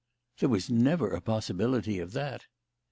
" There was never a possibility of that."